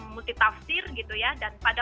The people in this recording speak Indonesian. multitafsir dan pada